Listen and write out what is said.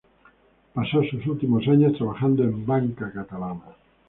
Pasó sus últimos años trabajando en Banca Catalana.